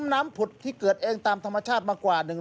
น้ำผุดที่เกิดเองตามธรรมชาติมากว่า